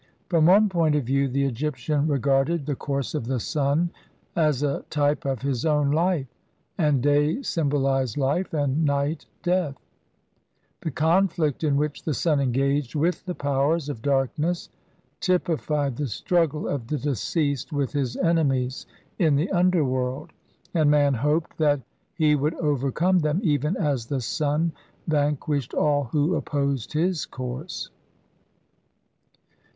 From one point of view the Egyp tian regarded the course of the sun as a type of his own life, and day symbolized life and night death ; the conflict in which the sun engaged with the powers of darkness typified the struggle of the deceased with his enemies in the underworld, and man hoped that he would overcome them even as the sun vanquished all who opposed his course.